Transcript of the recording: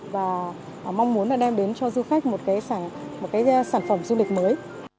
và mong muốn đem đến cho du khách một sản phẩm du lịch mới